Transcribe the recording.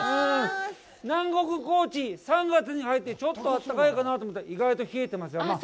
南国高知、３月に入ってちょっと暖かいかなと思ったら、意外と冷えてます。